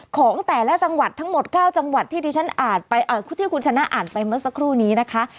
ของแต่ละจังหวัดทั้งหมด๙จังหวัดที่ที่ฉันอ่านไปที่คุณชนะอ่านไปเมื่อสักครู่นี้นะคะ